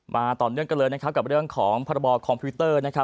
ต่อเนื่องกันเลยนะครับกับเรื่องของพรบคอมพิวเตอร์นะครับ